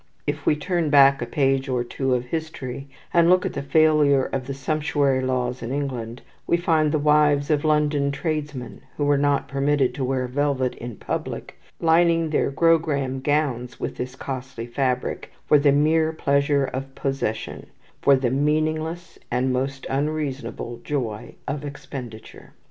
If we turn back a page or two of history, and look at the failure of the sumptuary laws in England, we find the wives of London tradesmen, who were not permitted to wear velvet in public, lining their grogram gowns with this costly fabric, for the mere pleasure of possession, for the meaningless and most unreasonable joy of expenditure.